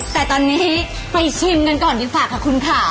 แต่ตอนนี้ไปชิมกันก่อนดีกว่าค่ะคุณค่ะ